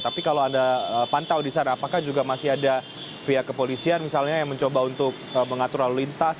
tapi kalau anda pantau di sana apakah juga masih ada pihak kepolisian misalnya yang mencoba untuk mengatur lalu lintas